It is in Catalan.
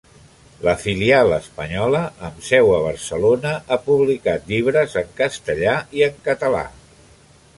La filial espanyola, amb seu a Barcelona, ha publicat llibres en castellà i en català.